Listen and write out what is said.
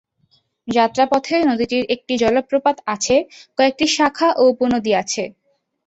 যাত্রাপথে নদীটির একটি জলপ্রপাত, কয়েকটি শাখা ও উপনদী আছে।